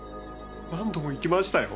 何度も行きましたよ。